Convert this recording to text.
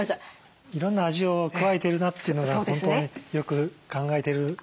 いろんな味を加えてるなというのが本当によく考えてる。